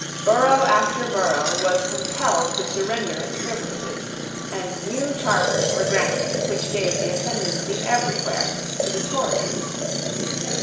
Borough after borough was compelled to surrender its privileges; and new charters were granted which gave the ascendency everywhere to the Tories.